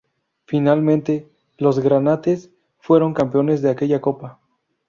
Finalmente, los "granates" fueron campeones de aquella copa.